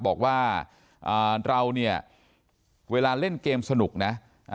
บอกว่าเราเนี่ยเวลาเล่นเกมสนุกนะ